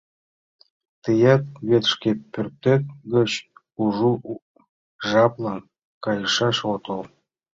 Тыят вет шке пӧртет гыч кужу жаплан кайышаш отыл.